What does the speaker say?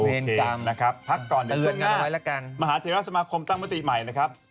โอเคพักก่อนเดี๋ยวค่อนข้างมามหาเทราสมาคมตั้งเมื่อตีใหม่นะครับ